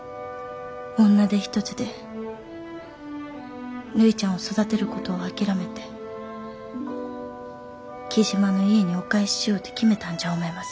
女手一つでるいちゃんを育てることを諦めて雉真の家にお返ししようと決めたんじゃ思います。